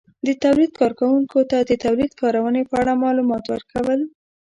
-د تولید کارونکو ته د تولید کارونې په اړه مالومات ورکول